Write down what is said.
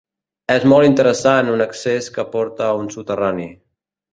És molt interessant un accés que porta a un soterrani.